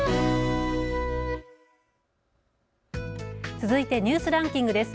続いてニュースランキングです。